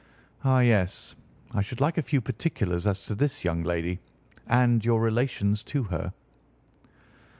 "Ah, yes. I should like a few particulars as to this young lady, and your relations to her."